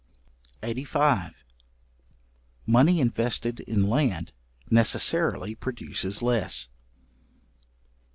§85. Money invested in land, necessarily produces less.